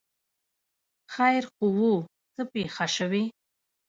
ـ خیر خو وو، څه پېښه شوې؟